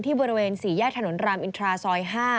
ที่บริเวณศรีแย่ถนนรามอินทราซอย๕